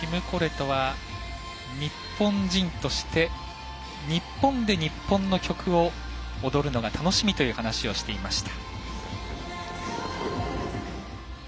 ティム・コレトは日本人として日本で日本の曲を踊るのが楽しみという話をしていました。